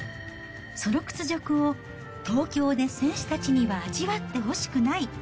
その屈辱を東京で選手たちには味わってほしくない。